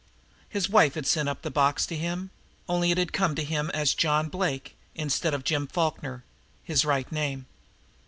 His wife had sent up the box to him, only it had come to him as "John Blake" instead of Jim Falkner, his right name.